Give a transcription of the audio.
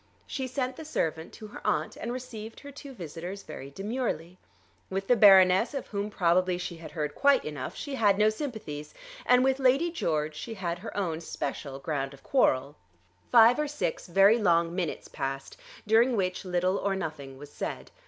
She sent the servant to her aunt, and received her two visitors very demurely. With the Baroness, of whom probably she had heard quite enough, she had no sympathies; and with Lady George she had her own special ground of quarrel. Five or six very long minutes passed during which little or nothing was said.